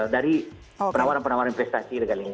dari penawaran penawaran investasi dan lain lain